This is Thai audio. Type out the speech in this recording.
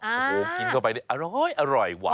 โอ้โฮกินเข้าไปด้วยอร้อยหวาน